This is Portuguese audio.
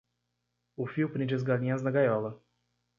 O fio prende as galinhas na gaiola.